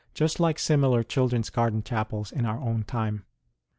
just like similar children s garden chapels in our own time.